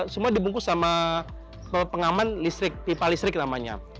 semua dibungkus sama pengaman listrik pipa listrik namanya